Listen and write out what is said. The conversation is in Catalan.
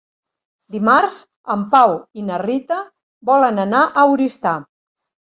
Dimarts en Pau i na Rita volen anar a Oristà.